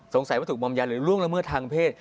สงสัยว่าถูกมอมยาหรือล่วงละเมื่อทางเพศ